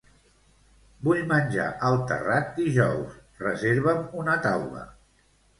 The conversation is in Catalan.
Vull menjar al Terrat dijous, reserva'm una taula.